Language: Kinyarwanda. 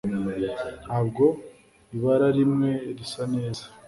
Ntabwo ibararimwe risa neza